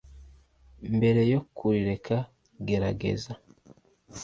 mbere yo kurireka, gerageza